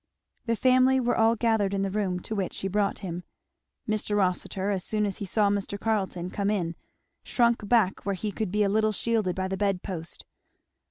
The family were all gathered in the room to which she brought him. Mr. Rossitur, as soon as he saw Mr. Carleton come in, shrunk back where he could be a little shielded by the bed post.